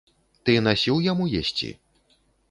Ты насіў яму есці?